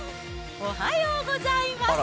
おはようございます。